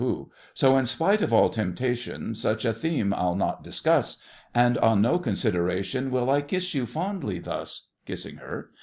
So, In spite of all temptation, Such a theme I'll not discuss, And on no consideration Will I kiss you fondly thus— (Kissing her.)